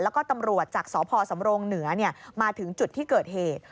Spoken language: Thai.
แล้วก็ตำรวจจากสพสำรงเหนือมาถึงจุดที่เกิดเหตุ